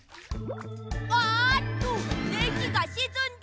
あっとネジがしずんだ！